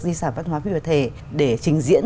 di sản văn hóa phi vật thể để trình diễn